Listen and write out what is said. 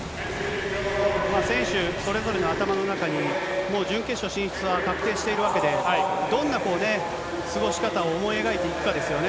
選手それぞれの頭の中にもう準決勝進出は確定しているわけで、どんな過ごし方を思い描いていくかですよね。